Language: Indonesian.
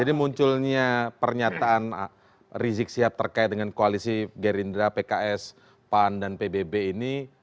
jadi munculnya pernyataan rizieq siap terkait dengan koalisi gerindra pks pan dan pbb ini